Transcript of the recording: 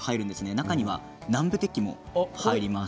中には南部鉄器も入ります。